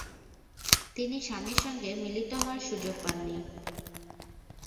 তিনি স্বামীর সঙ্গে মিলিত হওয়ার সুযোগ পাননি।